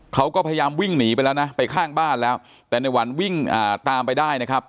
เขาก็พยายามวิ่งหนีไปแล้วนะไปข้างบ้านแล้วแต่ในหวันวิ่งตามไปได้นะครับ